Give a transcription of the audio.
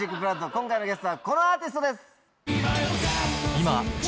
今回のゲストはこのアーティストです！